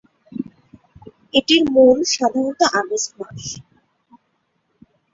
এটির মূল সাধারণত আগস্ট মাস।